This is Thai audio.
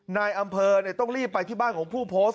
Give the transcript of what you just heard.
นายอำเภอต้องรีบไปที่บ้านของผู้โพสต์